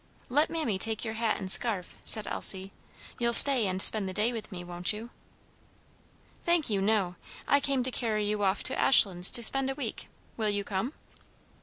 "Let mammy take your hat and scarf," said Elsie. "You'll stay and spend the day with me, won't you?" "Thank you, no; I came to carry you off to Ashlands to spend a week. Will you come?"